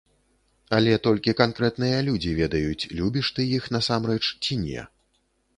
Але толькі канкрэтныя людзі ведаюць, любіш ты іх насамрэч ці не.